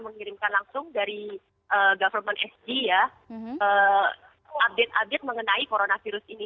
mengirimkan langsung dari government sd ya update update mengenai corona virus ini